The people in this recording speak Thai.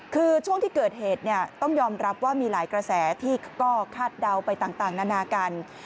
คือช่วงที่เกิดเหตุเนี่ยต้องยอมรับว่ามีหลายกระแสที่ก็คาดเดาไปต่างนานากัน